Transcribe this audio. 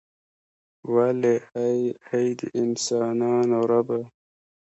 ولې ای ای د انسانانو ربه.